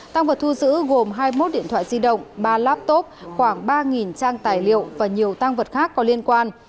tăng vật thu giữ gồm hai mươi một điện thoại di động ba laptop khoảng ba trang tài liệu và nhiều tăng vật khác có liên quan